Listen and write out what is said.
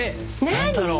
何だろう？